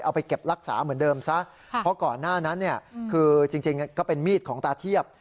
เอาไปเก็บรักษาเหมือนเดิมซะเพราะก่อนหน้านั้นเนี่ยคือจริงก็เป็นมีดของตาเทียบ